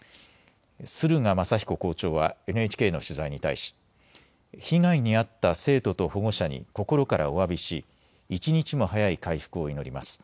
摺河祐彦校長はＮＨＫの取材に対し被害に遭った生徒と保護者に心からおわびし一日も早い回復を祈ります。